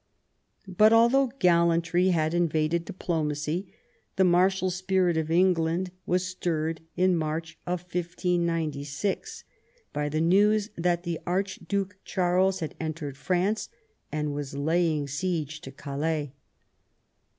But although gallantry had invaded diplomacy, the martial spirit of England was stirred in March, 1596, by the news that the Archduke Charles had entered France and was laying siege to Calais.